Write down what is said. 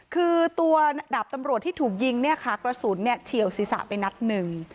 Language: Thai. คือตัวดาบตำรวจที่ถูกยิงเนี่ยค่ะกระสุนเนี่ยเฉียวศีรษะไปนัดหนึ่ง